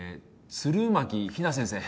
弦巻比奈先生